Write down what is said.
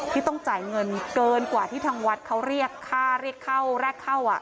ที่ต้องจ่ายเงินเกินกว่าที่ทางวัดเขาเรียกค่าเรียกเข้าแรกเข้า